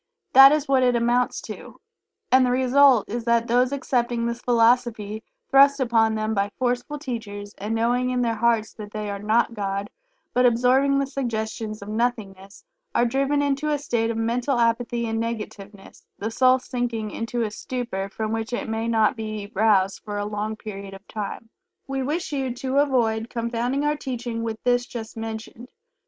That is what it amounts to, and the result is that those accepting this philosophy thrust upon them by forceful teachers, and knowing in their hearts that they are not God, but absorbing the suggestions of "nothingness," are driven into a state of mental apathy and negativeness, the soul sinking into a stupor from which it may not be roused for a long period of time. We wish you to avoid confounding our teaching with this just mentioned.